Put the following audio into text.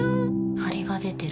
ハリが出てる。